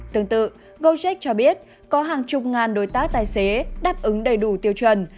tương tự gojec cho biết có hàng chục ngàn đối tác tài xế đáp ứng đầy đủ tiêu chuẩn